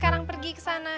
kita pergi kesana